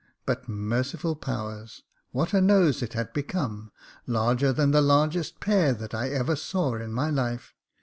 But, merciful powers ! what a nose it had become — larger than the largest pear that I ever saw in my life.